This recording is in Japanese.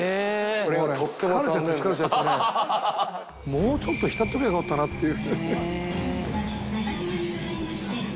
「もうちょっと浸ってくりゃよかったなっていう」